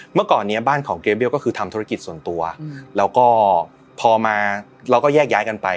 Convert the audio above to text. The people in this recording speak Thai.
เมื่อก่อนเนี้ยบ้านของเกเบี้ยก็คือทำธุรกิจส่วนตัวแล้วก็พอมาเราก็แยกย้ายกันไป